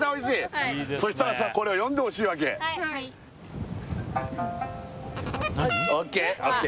はいそしたらさこれを読んでほしいわけＯＫ？ＯＫ